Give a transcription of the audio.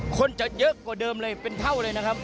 คนจะเยอะกว่าเดิมเลยเป็นเท่าเลยนะครับ